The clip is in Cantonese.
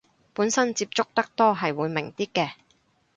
本身接觸得多係會明啲嘅